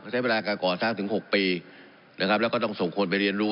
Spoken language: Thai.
ใช้เวลาการก่อสร้างถึง๖ปีนะครับแล้วก็ต้องส่งคนไปเรียนรู้